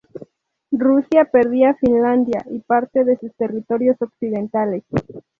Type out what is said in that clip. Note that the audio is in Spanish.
Rusia perdía Finlandia y parte de sus territorios occidentales.